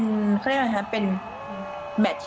เขาเรียกว่าอะไรฮะเป็นแมท